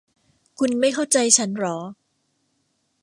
คุณไม่เข้าใจฉันหรอ